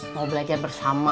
mau belajar bersama